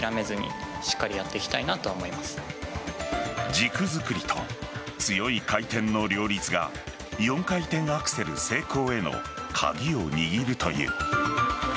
軸づくりと強い回転の両立が４回転アクセル成功への鍵を握るという。